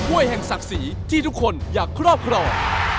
วยแห่งศักดิ์ศรีที่ทุกคนอยากครอบครอง